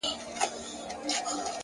مهرباني زړونه له کینې پاکوي,